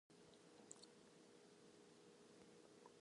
The municipality is located along the Nyon-Arzier road.